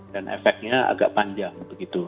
dan efeknya agak panjang begitu